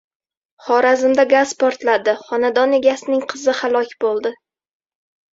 Xorazmda gaz portladi. Xonadon egasining qizi halok bo‘ldi